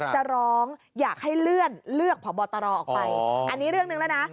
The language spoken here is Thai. จะร้องอยากให้เลื่อนเลือกผอบตรออกไปอันนี้เรื่องหนึ่งแล้วนะ